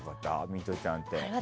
ミトちゃんって。